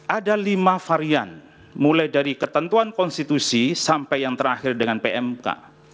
ada lima varian mulai dari ketentuan konstitusi sampai yang terakhir dengan pmk